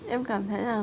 em cảm thấy là